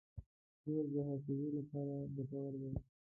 جوز د حافظې لپاره ګټور دي.